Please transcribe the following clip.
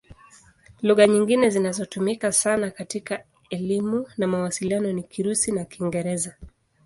Lugha nyingine zinazotumika sana katika elimu na mawasiliano ni Kirusi na Kiingereza.